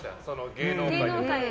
芸能界で。